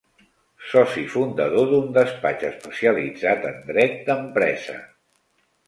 Soci fundador d'un despatx especialitzat en dret d'empresa.